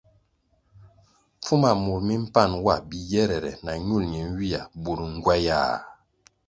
Pfuma mur mi mpan wa biyere na ñul ñenywia bur ngywayah.